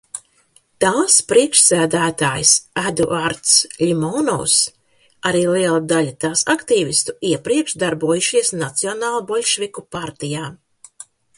Tās priekšsēdētājs Eduards Ļimonovs, arī liela daļa tās aktīvistu iepriekš darbojušies Nacionālboļševiku partijā.